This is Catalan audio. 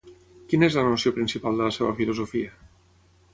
Quina és la noció principal de la seva filosofia?